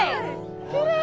きれい！